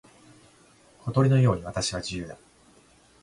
小鳥のように私は自由だ。